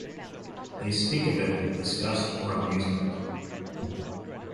They speak of it with disgust or amusement.